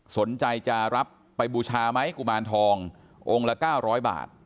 สนใจจะรับไปบูชาไหมกุมารทององค์ละ๙๐๐บาท